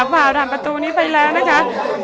พาทางประตูนี้ไปแล้วนะคะ